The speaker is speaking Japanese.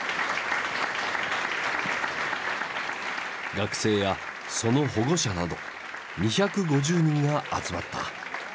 学生やその保護者など２５０人が集まった。